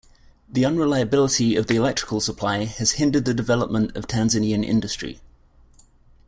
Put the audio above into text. The unreliability of the electrical supply has hindered the development of Tanzanian industry.